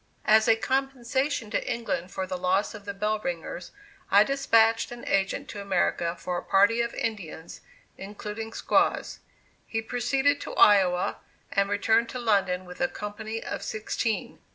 As a compensation to England for the loss of the Bell Ringers, I despatched an agent to America for a party of Indians, including squaws. He proceeded to Iowa, and returned to London with a company of sixteen.